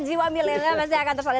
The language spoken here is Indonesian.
jiwa milenial masih akan terus ada